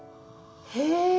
へえ。